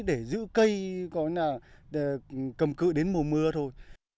để giữ cây có nghĩa là cầm cự đến mùa mưa thôi